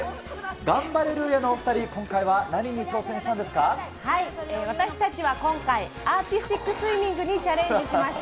ガンバレルーヤのお２人、私たちは今回、アーティスティックスイミングにチャレンジしました。